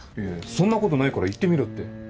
そんなことないから言ってみろって。